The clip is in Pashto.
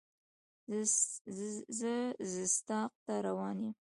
زه رُستاق ته روان یم.